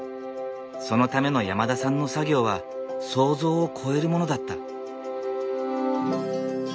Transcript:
そのための山田さんの作業は想像を超えるものだった。